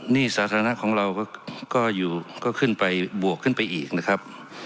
หนี้สาธารณะของเราก็อยู่ก็ขึ้นไปบวกขึ้นไปอีกนะครับ